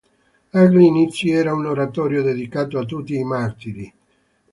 Agli inizi era un oratorio dedicato a tutti i martiri.